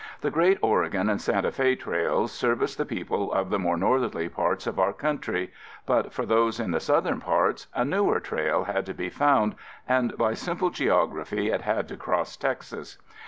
The great Oregon and Santa Fe Trails serviced the people of the more northerly parts of our country, but for those in the southern parts a newer trail had to be found and by simple geography it had to cross Texas.